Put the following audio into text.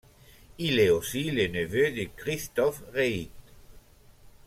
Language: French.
Il est aussi le neveu de Christophe Reigt.